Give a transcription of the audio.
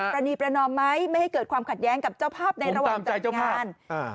รณีประนอมไหมไม่ให้เกิดความขัดแย้งกับเจ้าภาพในระหว่างจัดงาน